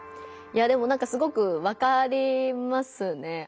いやでもなんかすごくわかりますね。